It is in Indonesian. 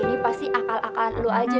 ini pasti akal akalan lo aja